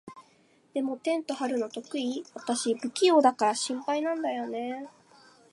でも、テント張るの得意？私、不器用だから心配なんだよね。